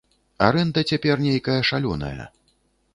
Арэнда цяпер нейкая шалёная.